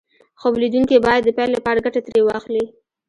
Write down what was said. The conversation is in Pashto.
خوب ليدونکي بايد د پيل لپاره ګټه ترې واخلي.